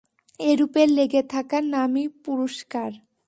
এরূপে লেগে থাকার নামই পুরুষকার।